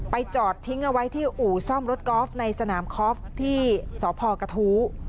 จอดทิ้งเอาไว้ที่อู่ซ่อมรถกอล์ฟในสนามคอฟที่สพกระทู้